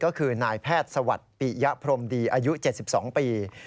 ก็คือนายแพทย์สวัสดิ์ปิยะพรมดีอายุ๗๒ปี